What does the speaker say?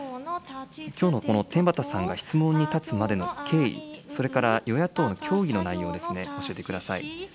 きょうの、この天畠さんが質問に立つまでの経緯、それから与野党の協議の内容ですね、教えてください。